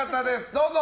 どうぞ！